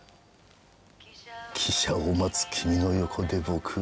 「汽車を待つ君の横で僕は」